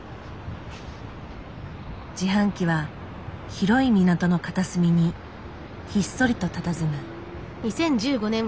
自販機は広い港の片隅にひっそりとたたずむ。